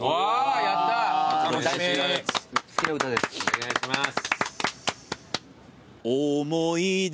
お願いします。